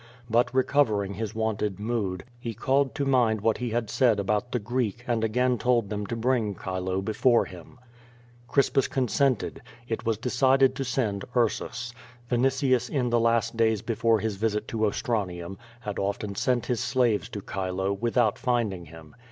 But recovering his wonted mood, he called to mind what he had said about the Greek and again told them to bring Chilo before him. Crispus consented. It was decided to send Ursus. Vini tius in the last days before his visit to Ostranium, had often sent his slaves to Chilo, without finding him.